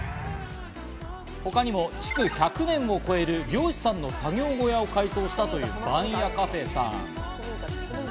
他にも築１００年を超える漁師さんの作業小屋を改装したという番屋カフェさん。